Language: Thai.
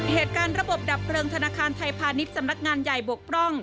เหตุการณ์ระบบดับเพลิงธนาคารไทยพาณิชย์สำนักงานใหญ่บกพร่อง